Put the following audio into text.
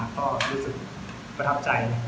ก็รู้สึกประทับใจ